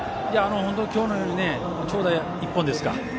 本当に今日のように長打一本ですか。